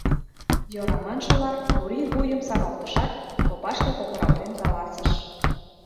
Йӧра маншыла, Гурий вуйым савалтышат, копашке кокыралтен каласыш: